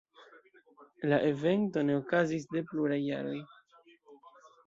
La evento ne okazis de pluraj jaroj.